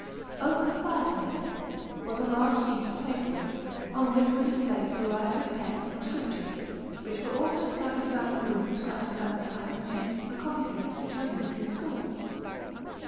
Over the fireplace, was a large sheet of paste board, on which were displayed a variety of texts from Scripture, which were also scattered about the room in scraps about the size and shape of the copy slips which are used in schools.